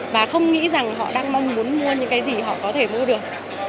và không nghĩ rằng họ đang mong muốn mua những cái gì họ có thể mua được